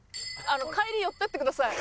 帰り寄っていってください。